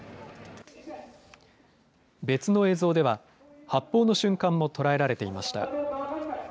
別の映像では、発砲の瞬間も捉えられていました。